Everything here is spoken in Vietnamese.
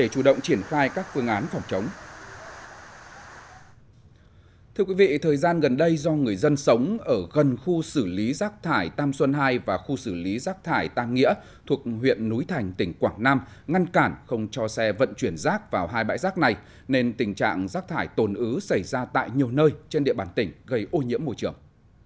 thưa quý vị thời gian gần đây do người dân sống ở gần khu xử lý rác thải tam xuân hai và khu xử lý rác thải tam nghĩa thuộc huyện núi thành tỉnh quảng nam ngăn cản không cho xe vận chuyển rác vào hai bãi rác này nên tình trạng rác thải tồn ứ xảy ra tại nhiều nơi trên địa bàn tỉnh gây ô nhiễm môi trường